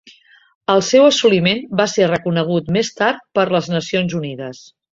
El seu assoliment va ser reconegut més tard per les Nacions Unides.